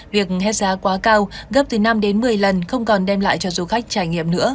việc hết giá quá cao gấp từ năm đến một mươi lần không còn đem lại cho du khách trải nghiệm nữa